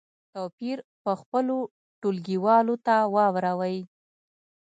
توپیر په خپلو ټولګیوالو ته واوروئ.